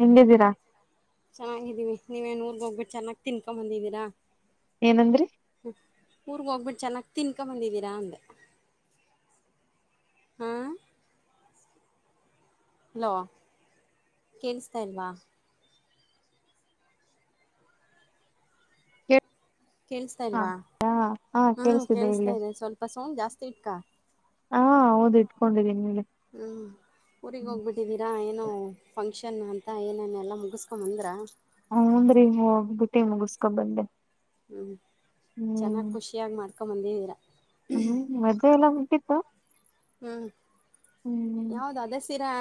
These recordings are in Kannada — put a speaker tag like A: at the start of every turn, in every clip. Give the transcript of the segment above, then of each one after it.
A: ಹೆಂಗಿದ್ದೀರಾ.
B: ಚೆನ್ನಾಗಿದೀವಿ ನೀವೇನ್ ಊರ್ಗೆ ಹೋಗ್ಬಿಟ್ಟು ಚೆನ್ನಾಗಿ ತಿನ್ಕೊಂಬ ಬಂದಿದ್ದೀರಾ
A: ಏನಂದ್ರರಿ.
B: ಊರ್ರಿಗೆ ಹೋಗ್ಬಿಟ್ಟು ಚೆನ್ನಾಗಿ ತಿನ್ಕೊಂಬಂದಿದ್ದೀರಾ ಅಂದೆ. ಹಾ ಹಲೋ ಕೇಳಸ್ತಾಲ್ವಾ. ಕೇಸ್ತಾ ಇಲ್ವಾ
A: ಹಾ ಹಾ
B: ಹ್ಮ್
A: ಕೇಳ್ಸ್ತಿದೆ
B: ಕೇಳಿಸ್ತಾ
A: ಇಲ್ಲಿ
B: ಇದೆ ಸ್ವಲ್ಪ ಸೌಂಡ್ ಜಾಸ್ತಿ ಇಟ್ಕ
A: ಹಾ ಹೌದದು ಇಟ್ಕೊಂಡಿದ್ದೀನಿ ನೀಗೆ
B: ಹು ಊರಿಗ್ ಹೋಗ್ಬಿಟ್ಟಿದ್ದೀರಾ ಏನು ಫಕ್ಷನ್ ಫಂಕ್ಷನ್ ಅಂತ ಏನನ್ನ ಎಲ್ಲ ಮುಗಿಸಸ್ಕೊ್ ಬಂದ್ರೆ
A: ಹನ್್ರೀ ಹೋಗ್ಬಿಟ್ಟಿ ಮುಗಿಸಕೊ ಬಂದೆ
B: ಹು
A: ಹ್ಮ್
B: ಚೆನ್ನಾಗ್ ಖುಷಿಯಾಗಿ ಮಾಡ್ಕೊ ಬಂದಿದೀರಾ.
A: ಹ್ಮ್ ಮದೆ ಎಲ್ಲ ಉಂಟಿತ್ತು
B: ಹ್ಮ್ ಯಾವ್ದ ಅದೇ ಸಿ ತ್ತೆ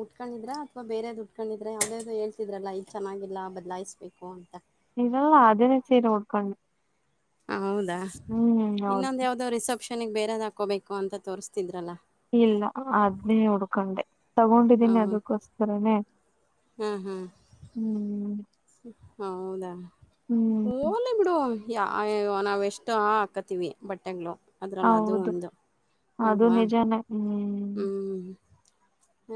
B: ಉಟ್ಕೊಂಡಿದ್ರಾ ಅಥವಾ ಬೇರೆದ್ ಉಟ್ಕೊಂಡಿದ್ರೆ ಯಾವವುದಾವ್ದುಳ್ತಿದ್ರಲ್ಲ ಇದು ಚನ್ನಾಗಿಲ್ಲ ಬದಲಾಯಿಸ್ಬೇಕು ಅಂತ.
A: ಇಲ್ಲ ಅದೆ ಸೀರಿ ಉಕ್ಕೊಂಡ.
B: ಹೌದಾ ಇನ್ನೊಂದು
A: ಹೌದು
B: ಯಾವ್ದೋ ರಿಸೆಪ್ಷನ್ಗೆ ಬೇರೆದ್ ಹಾಕೋಬೇಕು ಅಂತ ತೋರಿಸ್ತಿದ್ರಲ್ಲ.
A: ಇಲ್ಲ ಅದನ್ನೇ ಹುಡ್ಕೊಂಡೆ ತಗೊಂಡಿದ್ದೀನಿ ಅದಕ್ಕೋಸ್ಕರನೇ.
B: ಹು ಹು
A: ಹ್ಮ್
B: ಹೌದಾ
A: ಹ್ಮ್
B: ಹೊಲಿ ಬಿಡು ಯಾ ಅಯ್ಯ್ ಯ್ಯೊ ನಾವೆಷ್ಟು ಹಾಕತ್ತೀವಿ ಬಟ್ಟೆಗಳು. ಅದರಲ್ಲ ಅದು
A: ಹೌದು
B: ಒಂದ
A: ಅದು
B: ಅಲ್ವಾ.
A: ನಿಜಾನೇ ಹ್ಮ್
B: ಹು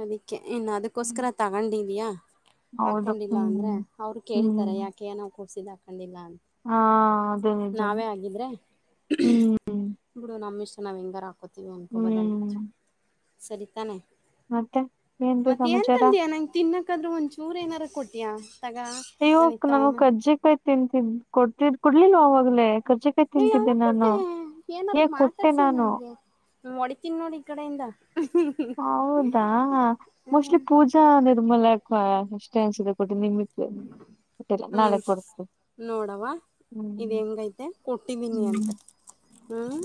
B: ಅದಕ್ಕೆ ಇನ್ನು ಅದಕ್ಕೋಸ್ಕರ ತಗೊಂಡಿದಿಯಾ.
A: ಹೌದು
B: ಹಾಕೊಂಡಿಲ್ಲ ಅಂದ್ರೆ
A: ಹ್ಮ್
B: ಅವ್ರು ಕೇಳ್ತಾರೆ
A: ಹ್ಮ್
B: ಯಾಕೆ ಏನಾವ್ ಕೊಡ್ಸಿದ್ ಹಾಕೊಂಡಿಲ್ಲ ಅಂತ
A: ಹಾ ಅದು ನಿಜಾನೇ
B: ನಾವೇ ಆಗಿದ್ರೆ
A: ಹ್ಮ್
B: ಬಿಡು ನಮ್ಮಿಷ್ಟ ಕ್ಕ ನಾವು ಹೆಂಗಾರು ಹಾಕೋತೀವಿ ಅಂದ್ಕೊಬೋದಾಗಿತ್ತು
A: ಹ್ಮ್
B: ಸರಿತಾನೆ.
A: ಮತ್ತೆ ಏನ್ರೀ
B: ಮತ್ತ ಏನ್
A: ಸಮಾಚಾರ
B: ತಂದ್ಯಾ ನಂಗ್ ತಿನ್ನಕಾದ್ರೂ ಒಂದ್ಚೂರು ಏನಾರ ಕೊಟ್ಯಾ.
A: ಅಯ್ಯಕ್ ನಮಗ್ ಕರ್ಜಿಕಾಯಿ ತಿಂತಿದ್ ಕೊಡ್ತಿದ್ ಕೊಡ್ಲಲ್ ಅವಾಗ್ಲೇ. ಕರ್ಜಕಾಯಿ
B: ಏ
A: ತಿಂತಿದ್ದೆ
B: ಯಾವಾಗ
A: ನಾನು
B: ಕೊಟ್ಟೆ
A: ಹೇ ಕೊಟ್ಟೆ ನಾನು.
B: ಹೊಡಿತೀನಿ ನೋಡಿ ಈ ಕಡೆಯಿಂದ
A: ಹೌದಾ ಮೋಸ್ಟ್ಲಿ ಪೂಜಾ ನಿರ್ಮೂಲಕ್ ಎಷ್ಟೇ ಅನ್ಸಿದೆ ಕೊಟ್ಟ ನಿಮಿತ್
B: ಹ್ಮ್ ನೋಡವ ಇದ
A: ಹ್ಮ್
B: ಹೆಂಗೈತೆ ಕೊಟ್ಟಿದ್ದೀನಿ ಅಂತ ಹ್ಮ್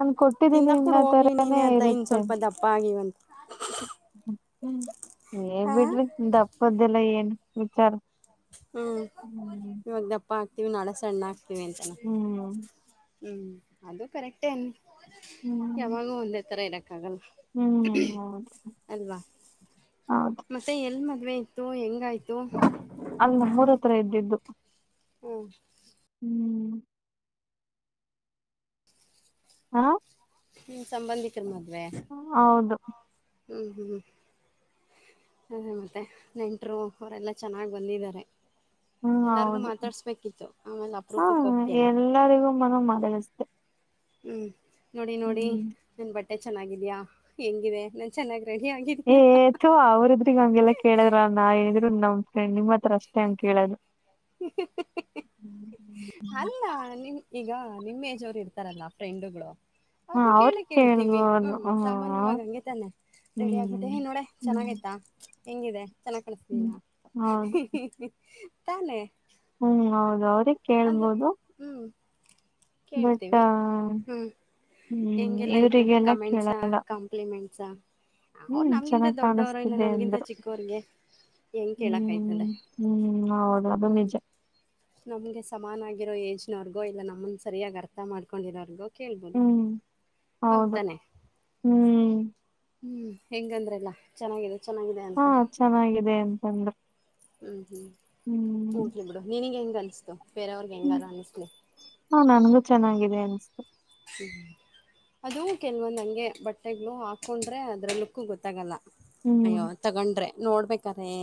A: ನನ್ ಕೊಟ್ಟಿದ್ದೀನಿ
B: ತಿಂದಕ್
A: ಇನ್ನ
B: ಕೂಡ ಹೋಗ್ಲಿ
A: ತರಾನೇ
B: ನೀನೇ ಆತ ಇನ್
A: ಇರುತ್ತೆ
B: ಸ್ವಲ್ಪ ದಪ್ಪ ಆಗಿವವಂತ
A: ಹ್ಮ್ ಏ
B: ಹ
A: ಬಿಡ್ರಿ ದಪ್ಪದ್ದಲ್ಲ ಏನ್ ವಿಚಾರ
B: ಹ್ಮ್
A: ಹ್ಮ್
B: ಇವಾಗ ದಪ್ಪ ಹಾಕ್ತಿೀವಿ ನಾಳೆ ಸಣ್ಣ ಹಾಕ್ತೀವಿ ಅಂತಾನ
A: ಹ್ಮ್
B: ಹ್ಮ್ ಅದು ಕರೆಕ್ಟೇ ಅನ್
A: ಹ್ಮ್
B: ಯಾವಾಗ ಒಂದೇ ತರ ಇರಕ್ ಲ್ಲ
A: ಹ್ಮ್ ಹೌದು
B: ಅಲ್ವಾ
A: ಹೌದು
B: ಮತ್ತೆ ಎ ಮ ಮ ಆಯ್ತು ಹೆಂಗಾಯ್ತು
A: ಮೂರ ಹತ್ರ ಇದ್ದಿದ್ದು
B: ಹ್ಮ
A: ಹ್ಮ್ ಹಾ
B: ನಿ್ಮ ಸಂಬಂಧಿಕರ ಮದ್ುವವೆ
A: ಹೌದು
B: ಹ್ಮ್ ಹ್ಮ್ ಅ ಮೆ ನೆಂಟರು ಅವರೆಲ್ಲ ಚೆನ್ನಾಗಿ ಬಂದಿದ್ದಾರೆ ಎಲ್ಲಾರ್ಗು ಮಾತಾಡ್ಸ್ಬೇಕಿತ್ತು ಆಮೇಲೆ
A: ಹಾ
B: ಅಪರೂಪಕ್ಕೆ ಹೋಗ್ತಿಯಲ್ಲ
A: ಎಲ್ಲರಿಗೂ ಮನ ಮಗಷ್ಟೆ
B: ಹ್ಮ್ ನೋಡಿ ನೋಡಿ ನನ್ ಬಟ್ಟೆ ಚೆನ್ನಾಗಿದ್ಯಾ ಹೆಂಗಿದೆ ನಾನ್ ಚೆನ್ನಾಗ
A: ಏಥವಾ ಅವರಿದ್ರಗ ಹಂಗೆಲ್ಲ ಕೇಳಿದ್ರ ನಾ ಏನಿದ್ರ ನಮ್ ಫ್ರೆಂಡ್ ನಿಮ್ಮ ಹತ್ರ ಅಷ್ಟೇ ಅಂತೇಳೋದು
B: ಹ ಅಲ್ಲ ನಿಮ್ ಈಗ ನಿಮ್ಮೇಜೋರು ಇರ್ತಾರಲ್ಲ ಫ್ರೆಂಡುಗಳು
A: ಹ
B: ಅದ್ನ್ನ ಕೇಳ
A: ಅವ್ರಿಗೆ
B: ಕೇಳ್ತೀವಿ
A: ಕೇಳ್ಬೋದು
B: ಹ್ಮ್
A: ಹ
B: ಸಾಮಾನ್ಯವಾಗ ಹಂಗಗೆ ತಾನೆ ರೆಡಿ ಆಗ್ಬಿಟ್ಟೆ
A: ಹ್ಮ್
B: ನೋಡ
A: ಹ್ಮ್
B: ಚೆನ್ನಾಗಯ್ತಾ ಹೆಂಗಿದೆ ಚೆನ್ನಾಗ್ ಕಳಸಿದ
A: ಹ್ಮ್
B: ನ
A: ಹೌದು
B: ತಾನೆ
A: ಹ್ಮ್ ಹೌದ ಅವ್ರೀ ಕೇಳ್ಬೋದು
B: ಹ್ಮ್
A: ಬಟ್
B: ಕೇಳ್ತೀವಿ ಹ್ಮ್
A: ಹ್ಮ್
B: ಹೆಂಗೆಲ್ಲ ಇತ್ತು
A: ಇವ್ರರಿಗೆಲ್ಲ
B: ಕಮೆಂಟ್ಸಾ
A: ಕೇಳಲ್ಲ
B: ಕಾಂಪ್ಲಿಮೆಂಟ್ಸಾ ಅವ್ರು
A: ಹ್ಮ್
B: ನಮ್ಗಿಂತ
A: ಚೆನ್ನಾಗಿ
B: ದೊಡ್ಡವರು ಇಲ್ಲ
A: ಕಾಣಿಸಸ್ದ್ದೆ
B: ನಮ್ಗಿಂತ
A: ಅಂದ್ರು
B: ಚಿಕ್ಕವ್ರಿಗೆ ಹೆಂಗ್
A: ಹ್ಮ್
B: ಕೇಳಕ್ಕಾಯ್ತದೆ
A: ಹ್ಮ್ ಹೌದು ಅದು
B: ಹ್ಮ್
A: ನಿಜ
B: ನಮ್ಗೆ ಸಮಾನ ಆಗಿರೋ ಏಜ್ನವರ್ಗೂ ಇಲ್ಲ ನಮ್ಮನ್ ಸರಿಯಾಗಿ ಅರ್ಥ ಮಾಡ್ಕೊಂಡಿರೋರ್ಗೂ
A: ಹ್ಮ್ ಹೌದು ಹ್ಮ್
B: ಹ್ಮ್ ಹೆಂಗಂದ್ರಲ್ಲಾ ಚೆನ್ನಾಗಿದೆ ಚೆನ್ನಾಗಿದೆ ಅಂತ
A: ಹಾ ಚೆನ್ನಾಗಿದೆ ಅಂತಂದ್ರೆ
B: ಹ್ಮ್ ಹ್ಮ್ ಉಂಟ್ಲಿ ಬಿಡು ನಿನಗೆ ಹೆಂಗ್ ಅನ್ಸ್ತು ಬೇರವ್ರಿಗೆ
A: ಹ್ಮ್
B: ಹೆಂಗಾರ ಅನ್ನಿಸ್ಲಿ
A: ಹಾ ನನ್ಗೂ ಚೆನ್ನಾಗಿದೆ ಅನ್ಸತು
B: ಹ್ಮ್ ಅದು ಕೆಲ್ವೊಂದ್ ಹಂಗೆ ಬಟ್ಟೆಗಳು ಹಾಕೊಂಡ್ರೆ ಅದ್ರ ಲುಕ್ಕ ಗೊತ್ತಾಗಲ್ಲ
A: ಹ್ಮ್
B: ಅಯ್ಯೋ ತಗೊಂಡ್ರೆ ನೋಡ್ಬೇಕ್ರೆ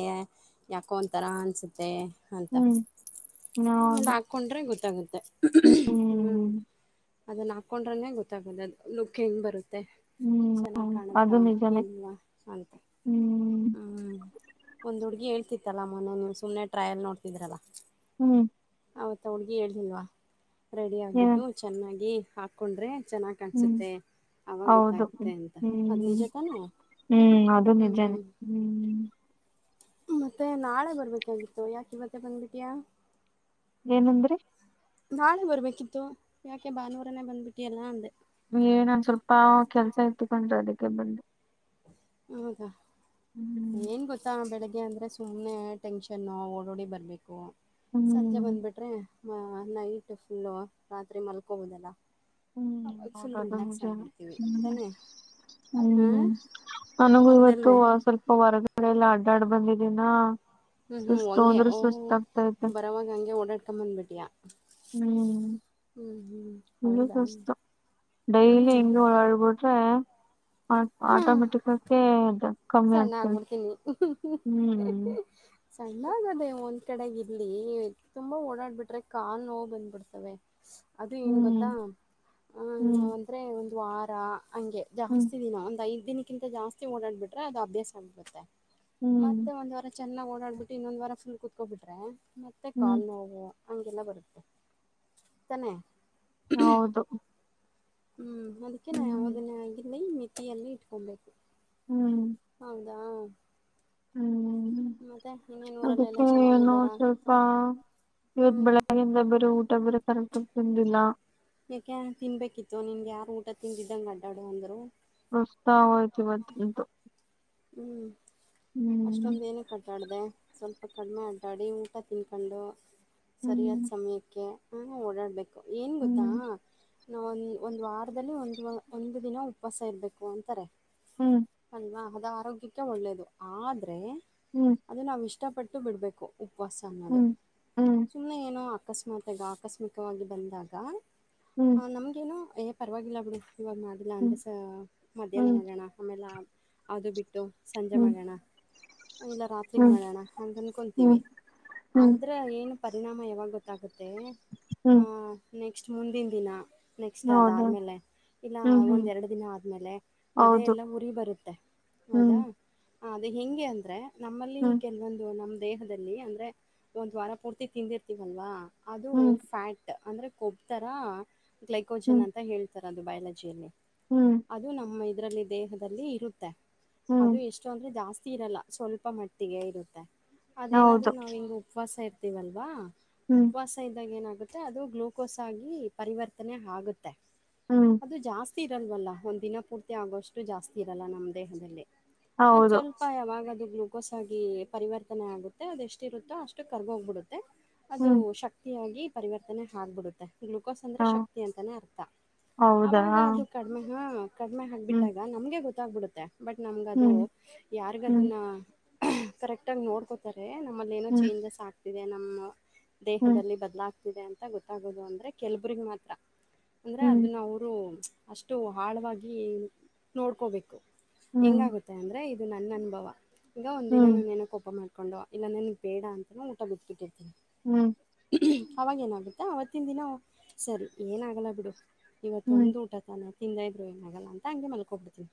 B: ಯಾಕೋ ಒಂಥರ ಅನಿಸುತ್ತೆ ಅಂತ
A: ಹ್ಮ್
B: ಆಮೇಲೆ
A: ಹೌದು
B: ಹಾಕ್ಕೊಂಡ್ರೆ ಗೊತ್ತಾಗುತ್ತೆ
A: ಹ್ಮ್
B: ಅದನ್ನ ಹಾಕೊಂಡ್ರನನೆ ಗೊತ್ತಾಗೋದ ಅದು ನುಖ ಹೆಂಗ್ ಬರುತ್ತೆ ಮತ್ತು
A: ಹ್ಮ್
B: ಚೆನ್ನಾಗಿ
A: ಹೌದು
B: ಕಾಣುತ್ತಾ
A: ಅದು ನಿಜಾನೇ
B: ಇಲ್ವಾ ಅಂತ
A: ಹ್ಮ್
B: ಹ್ಮ್ ಒಂದ್ ಹುಡ್ಗಿ ಹೇಳ್ತಿತ್ತಲ್ಲಮ್ಮೊನ ನೀ ಸುಮ್ಮ್ನೆ ಟ್ರಯಲ್ ನೋಡ್ತಿದ್ರಲ್ಲ
A: ಹ್ಮ್
B: ಆವತ್ತ ಅವಳಗೆ ಹೇತಿಲ್ವಾ ರೆಡಿ
A: ಏನ
B: ಆಗಬಿಟ್ಟು ಚೆನ್ನಾಗಿ ಹಾಕ್ಕೊಂಡ್ರೆ ಚೆನ್ನಾಗ್
A: ಹ್ಮ್
B: ಕಾಣಸುತ್ತೆ ಆಾಗ
A: ಹೌದು
B: ಗೊತ್ತಾಗುತ್ತೆ
A: ಹ್ಮ್
B: ಅಂತ ಅದ್ ನಿಜ ತಾನೇ
A: ಹ್ಮ್ ಅದು ನಿಜಾನೇ ಹ್ಮ್
B: ಮತ್ತೆ ನಾಳೆ ಬರ್ಬೇಕಾಗಿತ್ತು ಯಾಕ ಇವತ್ತ ಬಂದ್ಬಿಟ್ಯಾಾ
A: ಏನಂದ್ರಿ
B: ನಾಳೆ ಬರ್ಬೇಕಿತ್ತು ಯಾಕೆ ಬಾನೂರನೇ ಬಂದ್ಬಿಟ್ಟಿ ಎಲ್ಲಾ ಅಂದೆ
A: ಏನೊಂದ್ ಸ್ವಲ್ಪ ಕೆಲ್ಸ ಇತ್ತಕೊಂಡ್ರೆ ಅದಕ್ಕೆ ಬಂದು
B: ಹೌದಾ ಏನ್ ಗೊತ್ತಾ ಬೆಳಗ್ಗೆ ಅಂದ್ರೆ ಸುಮ್ಮ್ನೆ ಟೆನ್ಷನ್ ಓಡೋಡಿ ಬರ್ಬೇಕು ಸಂಜೆ
A: ಹ್ಮ್
B: ಬಂದ್ಬಿಟ್ರೆ ನೈಟ್ ಫುಲ್ಲು ರಾತ್ರಿ ಮಲ್ಕೋಬೋದಲ್ಲ
A: ಹ್ಮ್
B: ಅವಾಗ ಫುಲ್
A: ಹೌದದು
B: ರಿಲ್ಯಾಕ್ಸ್
A: ನಿಜ
B: ಆಗಿಬಿಡ್ತೀವಿ
A: ಹ್ಮ
B: ತಾನೇ
A: ಹ
B: ಹಾಂ
A: ನನಗೂ ಇವತ್ತು
B: ಹೌದಲ್ವೇ
A: ಸ್ವಲ್ಪ ಹೊರಗಡೆ ಎಲ್ಲ ಅಡ್ಡಾಡ್ ಬಂದಿದೀಿನ
B: ಹ್ಮ್ ಹ್ಮ್ ಹಂಗೆ ಓಹ ಬರವಾಗ ಹಂಗೆ ಓಡಾಡ್ಕೊಂಬಂದ್ಬಿಟಿಯಾ
A: ಹ್ಮ್
B: ಹೌದಾ
A: ಷ್ಟತ ಡೈಲಿ
B: ಹ್ಞೂ
A: ಹೆಂಗಗೆ ಓಡಾಡ್ಬಿಟ್ರೆ
B: ಹಾಂ
A: ಆಟೋಮೆಟಿಕ್ ಆಕಿ ಇ
B: ಸಣ್ಣ ಆಗ್ಬಿಡ್ತೀನಿ
A: ಹ್ಮ್
B: ಸಣ್ಣಾಗದೇ ಒನ್ ಕಡೆಗೆ ಇಲ್ಲಿ ತುಂಬಾ ಓಡಾಡ್ಬಿಟ್ರೆ ಕಾನ್ ನೋವು ಬಂದ್ಬಿಡ್ತವೆ ಅದು ಏನು ಗೊತ್ತಾ
A: ಹ್ಮ್ ಹ್ಮ್
B: ನವುಂದರೆ ಒಂದು ವಾರ ಹಂಗೆ
A: ಹ್ಮ್
B: ಜಾಸ್ತಿ ದಿನ ಒಂದ್ ಐದ್ ದಿನಕ್ಕಿಂತ ಜಾಸ್ತಿ ಓಡಾಡ್ಬಿಟ್ರೆ ಅದು ಅಭ್ಯಾಸ ಆಗ್ಬತ್ತೆ
A: ಹ್ಮ್
B: ಮತ್ತೆ ಒಂದ್ ವಾರ ಚೆನ್ನಾಗ್ ಓಡಾಡ್ಬಿಟ್ಟು ಇನ್ನೊಂದ್ ವಾರ ಫುಲ್ ಕುೂತ್ಕೋಬಿಟ್ರೆ ಮತ್ತೆ
A: ಹ್ಮ್
B: ಕಾಲ್ ನೋವು ಹೆಲ್ಲ ಬರುತ್ತೆ ತಾನೇ
A: ಹೌದು
B: ಹ್ಮ್ ಅದಕ್ಕೆ ನಾ
A: ಹ್ಮ್
B: ಅದನ್ನಾಗಿಲ್ಲಿ ಮೆಿತಿಯನ್ನ ಇಟ್ಕೊಬೇಕು
A: ಹ್ಮ್
B: ಹೌದಾ
A: ಹ್ಮ್
B: ಮತ್ತೆ ಇನ್ನೇನ್ ಊರಲ್ಲೆಲ್ಲ
A: ಅದಕ್ಕೆ ಏನೋ
B: ಚೆನ್ನಾಗಿದ್ದಾರಾ
A: ಸ್ವಲ್ಪ ಇವತ್
B: ಹ್ಮ್
A: ಬೆಳಗ್ಗೆಿಂದ ಬರ ಊಟ ಬರ ಕರಕ್ಟ ತಿಂದಿಲ್ಲ
B: ಯಾಕೆ ತಿನ್ಬೇಕಿತ್ತು ನಿನ್್ಗೆ ಯಾರು ಊಟ ತಿಂದಿದ್ದಂಗಗೆ ಅಡ್ಡಡಿ ಅಂದ್ರು
A: ಪ್ರಸ್ತಾಾವಯತಿ ಬು
B: ಹ್ಞೂ ಅಷ್ಟೊಂದು ಏನ ಕಟಾಡಿದೆ ಸ್ವಲ್ಪ ಕಡಿಮೆ ಅಡ್ಡಾಡಿ ಊಟ ತಿನ್ಕೊಂಡು ಸರಿಯಾದ
A: ಹ್ಮ್
B: ಸಮಯಕ್ಕೆ ಓಡಾಡ್ಬೇಕು ಏನು ಗೊತ್ತಾ
A: ಹ್ಮ್
B: ನಾವು ಒಂದು ಒಂದು ವಾರದಲ್ಲಿ ಒಂದು ಒಂದು ದಿನ ಉವಾಸ ಇರಬೇಕು ಅಂತಾರೆ
A: ಹ್ಮ್
B: ಅಲ್ವಾ ಅದು ಆರೋಗ್ಯಕ್ಕೆ ಒಳ್ಳೆಯದು ಆದರೆ
A: ಹ್ಮ್
B: ಅದು ನಾವು ಇಷ್ಟಪಟ್ಟು ಬಿಡಬೇಕು ಉಪವಾಸ ಅನ್ನೋದು
A: ಹ್ಮ್ ಹ್ಮ್
B: ಸುಮ್ಮನೆ ಏನೋ ಅ ಅಕಸ್ಮಾತ್ಗ ಆಕಸ್ಮಿಕವಾಗಿ ಬಂದಾಗ
A: ಹ್ಮ್
B: ನಮ್ಗೇನು ಏ ಪರವಾಗಿಲ್ಲ ಬಿಡಿ ಇವಾಗ ಮಾಡಿಲ್ಲ
A: ಹ್ಮ್
B: ಅಂದ್ರೆ ಸ ಮಧ್ಯಾಹ್ನ
A: ಹ್ಮ್
B: ಮಾಡೋಣ ಆಮೇಲೆ ಅದು ಬಿಟ್ಟು ಟ್ಟು ಸಂಜೆ
A: ಹ್ಮ್
B: ಮಳಣ ಇಲ್ಲ ರಾತ್ರಿಗ್
A: ಹ್ಮ್
B: ಮಾಡೋಣ ಅಂತ
A: ಹ್ಮ್
B: ಅನ್ಕೊಂತೀವಿ
A: ಹ್ಮ್
B: ಆದದ್ರ ಏನು ಪರಿಣಾಮ ಯಾವಾಗ ಗೊತ್ತಾಗುತ್ತೆ
A: ಹ್ಮ
B: ನೆಕ್ಸ್ಟ್ ಮುಂದಿನ ದಿನ ನೆಕ್ಸ್ಟ್ ಅದಾದ್ಮೇಲೆ ಇಲ್ಲ
A: ಹ್ಮ್ ಹ್ಮ್
B: ಒಂದ್ ಎರಡು ದಿನ ಆದ್ಮೇಲೆ ಎದೆ
A: ಹೌದು
B: ಎಲ್ಲ ಉರಿ ಬರುತ್ತೆ
A: ಹ್ಮ್
B: ಹೌದಾ ಅದು ಹೆಗೆ ಅಂದ್ರೆ ನಮ್ಮಲ್ಲಿ
A: ಹ್ಮ್
B: ಕೆಲವೊಂದು ನಮ ದೇಹದಲ್ಲಿ ಅಂದರೆ ಒಂದು ವಾರ ಪೂರ್ತಿ ತಿಂದಿರ್ತೀವಲ್ವಾ ಅದು
A: ಹ್ಮ್
B: ಫ್ಯಾಟ್ ಅಂದರೆ ಕೊಬ್ಥರ
A: ಹ್ಮ್
B: ಗ್ಲೈಕೋಜೆನ್ ಅಂತ ಹೇಳ್ತಾರೆ ಅದು ಬಯಾಲಜಿಯಲ್ಲಿ
A: ಹ್ಮ್
B: ಅದು ನಮ್ಮ ಇದ್ರಲ್ಲಿ ದೇಹದಲ್ಲಿ ಇರುತ್ತೆ
A: ಹ್ಮ್
B: ಅದು ಎಷ್ಟೋ ಅಂದ್ರೆ ಜಾಸ್ತಿ ಇೀರಲ್ಲ ಸ್ವಲ್ಪ ಮಟ್ಟಿಗೆ ಇರುತ್ತೆ ಅದೇನಾದರೂ
A: ಹೌದು
B: ನಾವು ಹಿಂಗೆ ಉಪವಾಸ ಇರ್ತೀವಲ್ವಾ
A: ಹ್ಮ್
B: ಉಪವಾಸ ಇದ್ದಾಗ ಏನಾಗುತ್ತೆ ಅದು ಗ್ಲೂಕೋಸ್ ಆಗಿ ಪರಿವರ್ತನೆ ಆಗುತ್ತೆ
A: ಹ್ಮ್
B: ಅದು ಜಾಸ್ತಿ ಇರಲ್ವಲ್ಲ ಒಂದ್ ದಿನ ಪೂರ್ತಿ ಆಗೋಷ್ಟು ಜಾಸ್ತಿ ಇರಲ್ಲ ನಮ್ದ ದೇಹದಲ್ಲಿ ಅ
A: ಹೌದು
B: ಸ್ವಲ್ಪ ಯಾವಾಗದು ಗ್ಲೂಕೋಸ್ ಆಗಿ ಪರಿರ್ನೆ ಆಗುತ್ತೆ ಅದೆ ಎಷ್ಟಿರುತ್ತೋ ಅಷ್ಟು ಕರ್ಗೋಗ್ಬಿಡುತ್ತೆ ಅದು
A: ಹ್ಮ್
B: ಶಕ್ತಿಯಾಗಿ ಪರಿವರ್ತನೆ ಆಗ್ಬಿಡುತ್ತೆ ಗ್ಲುಕೋಸ್
A: ಹ
B: ಅಂದರೆ ಶಕ್ತಿ ಅಂತನೇ ಅರ್ಥ
A: ಹೌದಾ
B: ಆವಾಗ ಅದು ಕಡಿಮೆ ಹಾ ಕಡಿಮೆ
A: ಹ್ಮ್
B: ಹಾಕ್ಬಿಟ್ಟಾಗ ನಮ್ಗೆ ಗೊತ್ತಾಗ್ಬಿಡುತ್ತೆ ಬಟ್ ನಮ್ಗದು
A: ಹ್ಮ್ ಹ್ಮ್
B: ಯಾರ್ಗದನ್ನ ಕರೆಕ್ಟ್ ಆಗ ನೋಡ್ಕೋತಾರೆ ನಮ್ಮಲ್ಲಿ ಏನೋ
A: ಹ್ಮ್
B: ಚೇಂಜಸ್ ಆಗ್ತಿದೆ ನಮ್ಮ ದೇಹದಲ್ಲಿ ಬದಲಾಗ್ತಿದೆ ಅಂತ ಗೊತ್ತಾಗೋದು ಅಂದರೆ ಕೆಲಬರಿಗೆ ಮಾತ್ರ ಅಂದ್ರೆ
A: ಹ್ಮ್ ಹ್ಮ್
B: ಅದನ್ನ ಅವರು ಅಷ್ಟು ಆಳವಾಗಿ ನೋಡ್ಕೋಬೇಕು ಹೆಂಗಾಗುತ್ತೆ ಅಂದ್ರೆ ಇದು ನನ್ನ ಅನುಭವ ಈಗ ಒಂದ ದಿನ
A: ಹ್ಮ್ ಹ್ಮ್
B: ನನ್ೇನ ಕೋಪ ಮಾಡ್ತಿ ಇಕೊಂಡು ಇಲ್ಲಾಂದನ್ಗ್ ಬೇಡ ಅಂತಾನ ಊಟ ಬಿತ್ೆ
A: ಹ್ಮ್
B: ಅವಾಗೇಏನಾಗುತ್ತಾ ಅವತ್ತಿನ ದಿನ ಸರಿ ಏನಾಗಲ್ಲ ಬಿಡು ಇವತ್ತು
A: ಹ್ಮ್ ಹ್ಮ್
B: ಒಂದು ಊಟ ತಾನೆ ಹಿಂದ ಇದಬ್್ರು ಏನ ಆಗಲ್ಲ ಅಂತ ಹಂಗಗೆ ಮಲ್ಕೊಬಡ್ತೀನಿ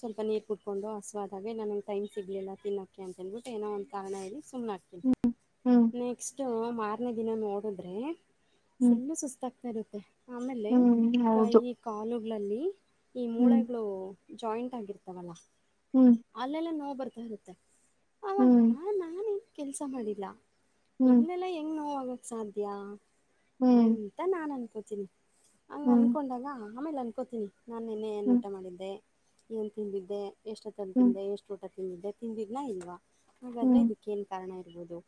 B: ಸ್ವಲ್ಪ ನೀಟ್ ಕುತ್ಕೊಂಡು ಹಸವಾದಾಗೆ ನನಂಗೆ ಟೈಮ್ ಸಿಗಲಿಲ್ಲ ತಿನ್ನೋಕ್ಕೆ ಅಂತೇಳ್ಬಿಟ್ಟು ಏನೋ ಒಂದು ಕಾರಣ ಇದೆ ಸುಮ್ಮನೆ ಹಾಕ್ತೀನಿ
A: ಹ್ಮ್
B: ನೆಕ್ಸ್ಟು ಮಾರನೇ ದಿನ ನೋಡಿದ್ರೆ
A: ಹ್ಮ್
B: ಫುಲ್ಲು ಸುಸ್ತಾಗ್ತಾ ಇರುತ್ತೆ ಆಮೇಲೆ
A: ಹ್ಮ್ ಹ್ಮ್
B: ಕೈ
A: ಹೌದು
B: ಕಾಲುಗಳಲ್ಲಿ ಈ
A: ಹ್ಮ್
B: ಮೂಳೆಗಳು ಜಾಯಿಂಟ್ ಆಗಿರ್ತಾವಲ್ಲ
A: ಹ್ಮ್
B: ಅಲ್ಲೆಲ್ಲ ನೋ ಬರು ತ್ತ ಅವವಾಗಾ
A: ಹ್ಮ್
B: ನಾನನ್ ಕೆಲ್ಸ ಮಾಡಿಲ್ಲ
A: ಹ್ಮ್
B: ಇಲ್ಲೆಲ್ಲ ಹೆಂಗ್ ನೋವಾಗಕ್ ಸಾಧ್ಯ ಅಂತ ನಾ ಅನ್ಕೋತೀನಿ ಹಂಗ
A: ಹ್ಮ್
B: ಅನ್ಕೊಂಡಾಗ ಆಮೇಲೆ ಅನ್ಕೋತೀನಿ ನಾನ ನಿನ್ನೆ ಏನ್
A: ಹ್ಮ್
B: ಊಟ ಮಾಡಿದ್ದೆ ಏನು ತಿಂದಿದ್ದೆ ಎಷ್ಟು ಹತ್ತನ
A: ಹ್ಮ್
B: ತಿಂದೆ ಎಷ್ಟು ಊಟ ತಿಂದಿದ್ದೆ ತಿಂದಿದ್ದನ ಇಲ್ವಾ ಹಾಗಾದ್ರೆ
A: ಹ್ಮ್
B: ಇದಕ್ಕೇಏನ್ ಕಾರಣ ಇರ್ಬೋದು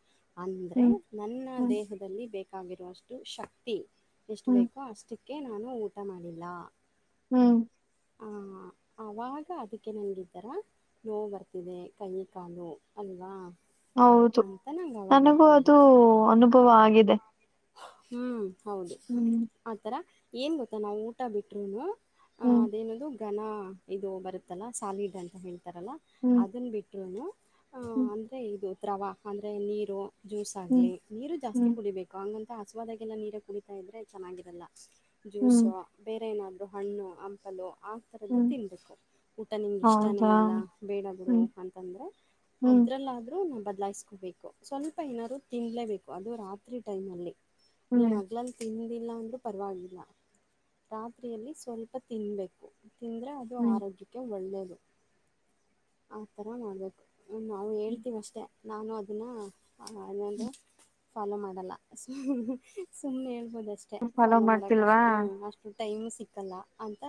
B: ಅಂದ್ರೆ
A: ಹ್ಮ್
B: ನನ್ನ ದೇಹದಲ್ಲಿ ಬ ಬಾಗಿರುವಷ್ಟು ಶಕ್ತಿ ಎಷ್ಟು
A: ಹ್ಮ್
B: ಬೇಕೋ ಅಷ್ಟಕ್ಕೆ ನಾನು ಊಟ ಮಾಡಿಲ್ಲ
A: ಹ್ಮ್
B: ಹ ಆವಾಗ ಅದಕ್ಕೆ ನನಿದ್ದರ ನೋವು ಬರ್ತಿದೆ ಕೈ ಕಾಲು ಅಲ್ವಾ
A: ಹೌದು
B: ಅಂತ ನಂಗೆ ಅವಾಗ
A: ನನಗೂ
B: ಅರ್ಥ
A: ಅದು
B: ಆಗುತ್ತೆ
A: ಅನುಭವ ಆಗಿದೆ
B: ಹ್ಮ್ ಹೌದು
A: ಹ್ಮ್,
B: ಆತರ ಏನ್ ಗೊತ್ತಾ ನಾವು ಊಟ ಬಿಟ್ರುೂನು ಅಹ
A: ಹ್ಮ್,
B: ಅದೇನದು ಘನ ಇದು ಬರುತ್ತಲ್ಲ ಸಾಲಿಡ್ ಅಂತ ಹೇಳ್ತಿ ತಾರಲ್ಲ
A: ಹ್ಮ್,
B: ಅದನ್ನ ಬಿಟ್ಟ್ರೂ
A: ಹ್ಮ್,
B: ಅಂದರೆ ಇದು ದ್ರವ ಅಂದರೆ ನೀರು ಜ್ಯೂಸ್
A: ಹ್ಮ್,
B: ಆಗ್ಲಿ ನೀರು ಜಾಸ್ತಿ
A: ಹ್ಮ್,
B: ಕುಡಿಬೇಕು ಹಂಗಂತ ಹಸವಾದಾಗೆಲ್ಲ ನೀರ ಕುಡಿತಾ ಇದ್ರೆ ಚೆನ್ನಾಗಿರಲ್ಲ
A: ಹ್ಮ್,
B: ಜ್ಯೂಸು ಬೇರೆ ಏನಾದರೂ ಹಣ್ಣು ಹಂಪಲು ಆ ಥರದ್ದು
A: ಹ್ಮ್.
B: ತಿನ್ನಬೇಕು ಊಟ ನಿಂಗೆ ಇಷ್ಟವೇ
A: ಹೌದಾ?
B: ಇಲ್ಲ ಬೇಡಬ್ರು
A: ಹ್ಮ್,
B: ಅಂತಂದರೆ
A: ಹ್ಮ್,
B: ಅದ್ರಲ್ಲಾದ್ರೂ ನಾವು ಬದ್ಲಾಯಿಸ್ಕೋಬೇಕು ಸ್ವಲ್ಪ ಏನಾದ್ರು ತಿನ್ಲೇಬೇಕು ಅದು ರಾತ್ರಿ ಟೈಮ್ ಅಲ್ಲಿ
A: ಹ್ಮ್,
B: ನೀನ್ ಹಗ್ಲಲ್ ತಿಿಂದಿ ಿಲ್ಲ ಅಂದೂ ಪರವಾಗಿಲ್ಲ ರಾತ್ರಿಯಲ್ಲಿ ಸ್ವಲ್ಪ ತಿನ್ನಬೇಕು ತಿಂದರೆ ಅದು
A: ಹ್ಮ್,
B: ಆರೋಗ್ಯಕ್ಕೆ ಒಳ್ಳೆಯದು ಆ ಥರ ಮಾಡಬೇಕು ನಾವು
A: ಹ್ಮ್.
B: ಹೇಳ್ತೀವಿ ಅಷ್ಟೇ ನಾನು ಅದನ್ನ ಅದೊಂದು ಫಾಲೋ ಮಾಡ ಸ ಸುಮ್ಮನೆ ಹೇಳ್ಬೋದ ಅಷ್ಟೇ ಫಾಲೋ ಮಾಡಕ್ ಅಷ್ಟು ಹ ಅಷ್ಟು ಟೈಮ್ ಸಿಕ್ಕಲ್ಲ ಅಂತ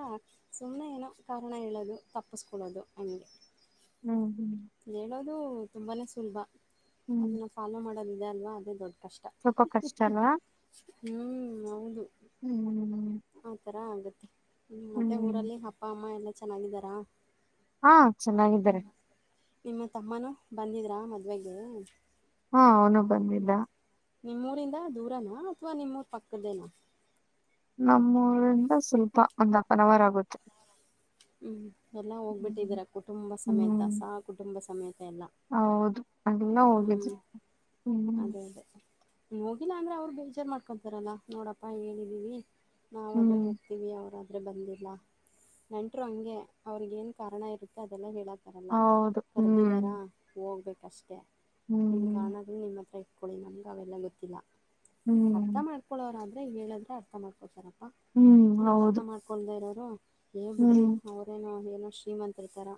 B: ಸುಮ್ಮನೆ ಏನೋ ಕಾರಣ ಹೇಳೋದು ತಪ್ಪಿಸ್ಕೊೊಳ್ಳೋದು ನನಗೆ
A: ಹ್ಮ್ ಹ್ಮ್
B: ಅದು ತುಂಬಾ ಸುಲಭ
A: ಹ್ಮ್.
B: ಅದನ್ನು ಫಾಲೋ ಮಾಡೋದಿದೆ ಅಲ್ವಾ ಅದೇ ದೊಡ್ಡ ಕಷ್ಟ
A: ಒ ಕಷ್ಟಾನ
B: ಹ್ಞ ಹೌದು
A: ಹ್ಮ್್ಮ ಹ್ಮ
B: ಆಗತ್ತೆ ಮತ್ತೆ ಊರಲ್ಲಿ ಅಪ್ಪ ಅಮ್ಮ ಎಲ್ಲ ಚೆನ್ನಾಗಿದ್ದಾರಾ
A: ಹಾ ಚೆನ್ನಾಗಿದ್ದಾರೆ
B: ನಿಮ್ಮ ತಮ್ಮನೂ ಬಂದಿದ್ರಾ ಮದುವೆಗೆ
A: ಹಾ ಅವನು ಬಂದಿದ್ದ
B: ನಿಮ್ಮೂರಿಂದ ದೂರನ ಅಥವಾ ನಿಮ್ಮೂರ್ ಪಕ್ಕದೇನ
A: ನಮ್ಮೂರಿಂದ ಸ್ವಲ್ಪ ಒಂದ್ ಹಫ್ ಅನ್ ಅವರ್ ಆಗುತ್ತೆ
B: ಹ್ಮ್ ಎಲ್ಲಾ
A: ಹ್ಮ್,
B: ಹೋಗ್ಬಿಟ್ಟಿದಾರ ಕುಟುಂಬ
A: ಹ್ಮ್
B: ಸಮೇತಸಹ ಕುಟುಂಬ ಸಮೇತ ಎಲ್ಲ
A: ಹೌದು ಅಲ್ಲಾ ಹೋಗಿದ್್ರಿ
B: ಹ್ಞೂ
A: ಹ್ಮ್
B: ಅದೇ ಅದೇ ಹೋಗಿಲ್ಲ ಅಂದ್ರೆ ಅವ್ರು ಬೇಜಾರ್ು ಮಾಡ್ಕೊತಾರಲ್ಲಾ ನೋಡಪ್ಪಾ ಹೇಳಿದೀವಿ ನಾವಾದರೆ
A: ಹ್ಮ್.
B: ಹೋಗ್ತೀವಿ ಅವರಾದ್ರೆ ಬಂದಿಲ್ಲ ನಂಟರು ಹಂಗೆ ಅವ್ರಗ ಏನ್ ಕಾರಣ ಇರುತ್ತೆ ಅದೆಲ್ಲ ಹೇಳಕ ತಾರಲ್ಲ
A: ಹೌದು. ಹ್ಮ್,
B: ಕರೆದಿದ್ದಾರಾ ಹೋಗ್ಬೇಕಷ್ಟೇ ನಿಮ್ಮ
A: ಹ್ಮ್,
B: ಕಣದೂ ನಿಮ್ಮ ಹತ್ರ ಇ ಮಾಡಕೊಳ್ಳಳಿ ನಮ್ಗೆ ಅವೆಲ್ಲ ಗೊತ್ತಿಲ್ಲ ಅರ್ಥ
A: ಹ್ಮ್.
B: ಮಾಡ್ಕೊಳೋನಾದ್ರೆ ಹೇಳಂದ್ರೆ ಅರ್ಥ ಮಾಡ್ಕೊಳ್ತಾರ ಅಪ್ಪಾ
A: ಹ್ಮ್
B: ನೀವು ಅರ್ಥ
A: ಹೌದು
B: ಮಾಡ್ಕೊಳ್್ದ ಇರೋರು ಹೇ ಬಿಡ್ರಿ
A: ಹ್ಮ್
B: ಅವರೇನು ಏನೋ ಶ್ರೀಮಂತ ಇರ್ತಾರ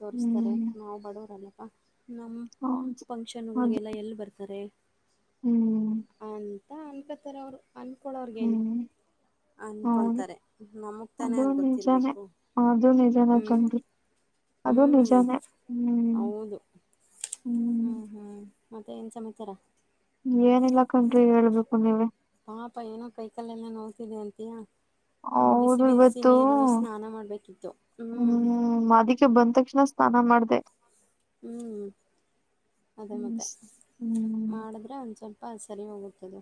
B: ತೋರಿಸ್ತಾರೆ
A: ಹ್ಮ್
B: ನಾವು ಬಡವರಲ್ಲಪ್ಪ ನಮ್ಮ
A: ಹೌದು ಅದು
B: ಫಂಕ್ಷನ್ಗಳಿಗೆಲ್ಲ ಎಲ್ಲಿ ಬರ್ತಾರೆ
A: ಹ್ಮ್
B: ಹ ಅನ್ಕತ್ತಾರೆ ಅವ್ರು ಅಂದನ್ಕೊಳ್ಳಳೋ್ರಗೇನು
A: ಹ್ಮ್
B: ಅನ್ಕೊತಾರೆ ನಮಗೆ ತಾನೇ ಅಗ್ ಗೊತ್ತ
A: ನಿಜಾನೆ ಅದು ನಿಜಾನ ಕಂಡು
B: ಹ್ಮ್ ಹೌದು ಹ್ಮ್ ಹ್ಮ್ ಮತ್ತೆ ಏನ್ ಸಮಾಚಾರ
A: ಏನಿಲ್ಲ ಕಂಡ್ರಿ ಹೇಳ್ಬೇಕು ನೀವವೆ
B: ಂತಯ
A: ಹೌದು ಇವತ್ತು ಹ ಹ್ಮ್ ಅದಕ್ಕೆ ಬಂದ ತಕ್ಷಣ ಸ್ನಾನ ಮಾಡ್ದ
B: ಹ್ಞೂ ಅದೇ
A: ಹ್ಮ್
B: ಮತ್ತೆ
A: ಹ್ಮ್
B: ಮಾಡಿದ್ರೆ ಒಂದುಸಲ್ ಅಪ್ಪಾ ಸರಿ ಹೋಗುತ್ತದೆ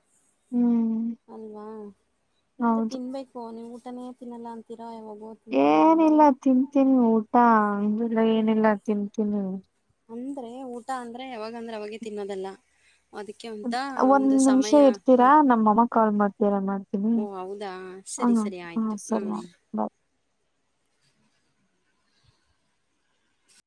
A: ಹ್ಮ್
B: ಅಲ್ವಾ ಊಟ
A: ಹೌದು
B: ತಿನ್ನಬೇಕು ನೀವು ಊಟ ತಾನೇ ತಿನ್ನಲ್ಲ ಅಂತ
A: ಏನಿಲ್ಲ ತಿಂತೀನಿ ಊಟ ಅಂದಲ್ಲ
B: ಹ್ಮ್
A: ಏನಿಲ್ಲ ತಿಂತೀನಿ
B: ಅಂದ್ರೆ ಊಟ ಅಂದ್ರೆ ಯಾವಾಗ ಅಂದ್ರೆ ಅವಾಗೆ ತಿನ್ನದಲ್ಲ ಅದಕ್ಕೆ ಅಂತ
A: ಒಂದ್
B: ಒಂದು
A: ನಿಮಿಷ
B: ಸಮಯ ಹ್ಮ
A: ಇರ್ತೀರಾ ನಮ್ಮಮ್ಮ ಕಾಲ್ ಮಾಡ್ತೀರಾ ಮಾಡ್ತೀನಿ
B: ಓ ಹೌದಾ
A: ಹಾ,
B: ಸರಿ ಸರಿ
A: ಹಾ
B: ಆಯಿತು
A: ಸರಿ
B: ಹ್ಞೂ
A: ಆಯ್ತು.